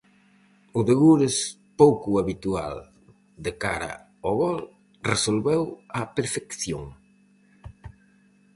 O de Gures, pouco habitual de cara ao gol, resolveu á perfección.